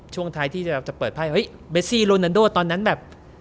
ช่วงท้ายที่จะเปิดไพ่เฮ้ยเบซี่โรนันโดตอนนั้นแบบ